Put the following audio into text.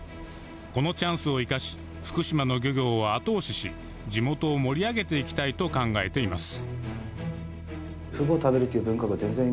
このチャンスを生かし福島の漁業を後押しし地元を盛り上げていきたいと考えています